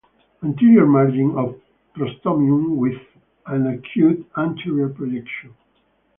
Anterior margin of prostomium with an acute anterior projection.